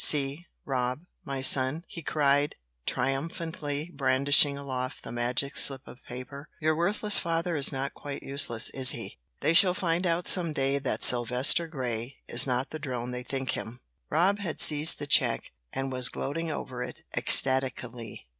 "See, Rob, my son," he cried, triumphantly brandishing aloft the magic slip of paper. "Your worthless father is not quite useless, is he? They shall find out some day that Sylvester Grey is not the drone they think him." Rob had seized the check, and was gloating over it ecstatically.